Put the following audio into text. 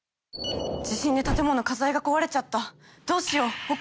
地震で建物・家財が壊れちゃったどうしようお金。